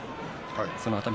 その熱海